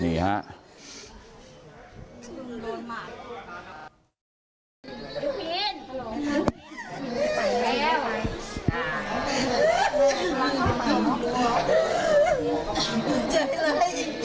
ยุพินไปแล้ว